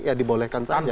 ya dibolehkan saja